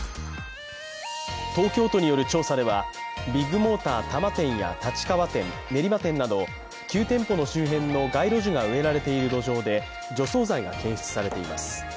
東京都による調査では、ビッグモーター多摩店や立川店、練馬店など９店舗の周辺の街路樹が植えられている土壌で除草剤が検出されています。